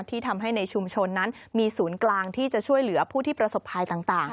ที่ทำให้ในชุมชนนั้นมีศูนย์กลางที่จะช่วยเหลือผู้ที่ประสบภัยต่าง